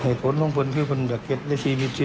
เหตุผลของคนคือคนอยากรักริดชีวิตจิต